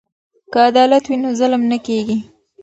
که عدالت وي نو ظلم نه کیږي.